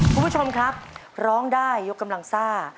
คุณผู้ชมครับร้องได้ยกกำลังซ่า